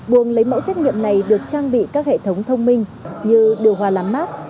buồng lấy mẫu xét nghiệm này được trang bị các hệ thống thông minh như đường hòa lắm mát